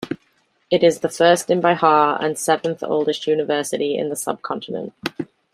It is the first in Bihar, and seventh oldest University in the subcontinent.